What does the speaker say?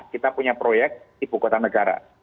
kita punya proyek ibu kota negara